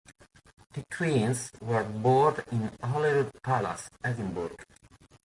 The twins were born in Holyrood Palace, Edinburgh.